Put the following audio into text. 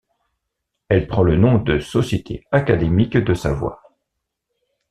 Elle prend le nom de Société académique de Savoie.